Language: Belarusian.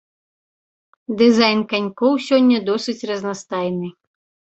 Дызайн канькоў сёння досыць разнастайны.